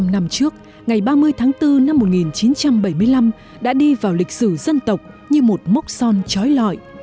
bốn mươi năm năm trước ngày ba mươi tháng bốn năm một nghìn chín trăm bảy mươi năm đã đi vào lịch sử dân tộc như một mốc son trói lọi